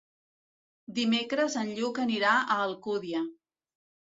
Dimecres en Lluc anirà a Alcúdia.